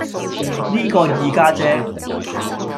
呢個二家姐